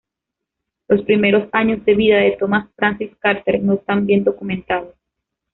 Los primeros años de vida de Thomas Francis Carter no están bien documentados.